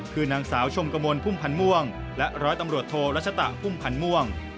คือนางสาวชมกระมวลพุ่มพันธ์ม่วงและร้อยตำรวจโทรัชตะพุ่มพันธ์ม่วง